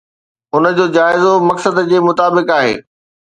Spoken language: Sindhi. ان جو جائزو مقصد جي مطابق آهي.